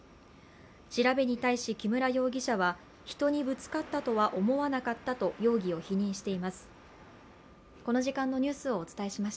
調べに対し木村容疑者は、人にぶつかったとは思わなかったと容疑を否認しています。